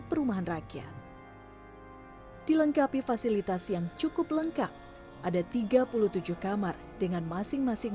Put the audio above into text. perumahan rakyat dilengkapi fasilitas yang cukup lengkap ada tiga puluh tujuh kamar dengan masing masing